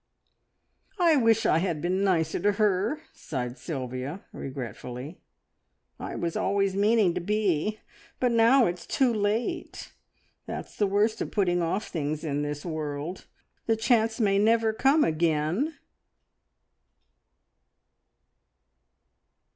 "I wish I had been nicer to her!" sighed Sylvia regretfully. "I was always meaning to be, but now it's too late. That's the worst of putting off things in this world; the chance may never come again!"